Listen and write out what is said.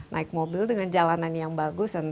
naik mobil dengan jalanan yang bagus dan terbaik